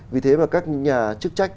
vì thế mà các nhà chức trách